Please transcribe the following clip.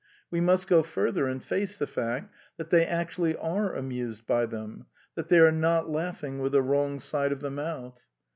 We must go further and face the fact that they actually are amused by them — that they are not laughing with the wrong side of the mouth.